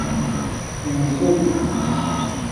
Fiisung.